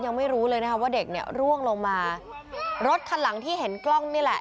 ยังไม่รู้เลยนะคะว่าเด็กเนี่ยร่วงลงมารถคันหลังที่เห็นกล้องนี่แหละ